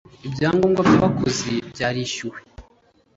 ibyangombwa by abakozi byarishyuwe